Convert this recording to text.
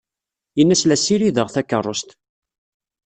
Ini-as la ssirideɣ takeṛṛust.